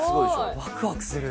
ワクワクする。